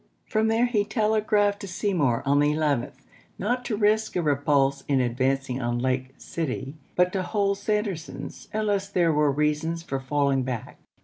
From there he tele 284 ABEAHAM LINCOLN CHAP. XI. gi aphed to Seymour on the 11th not to risk a repulse in advancing on Lake City, but to hold Sanderson's, unless there were reasons for falling back.